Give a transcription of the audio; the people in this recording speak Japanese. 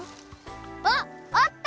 あっあった！